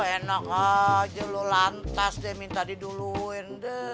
enak aja lu lantas dia minta diduluin